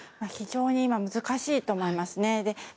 非常に難しいと思いますね。